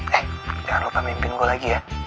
eh jangan lupa mimpin gue lagi ya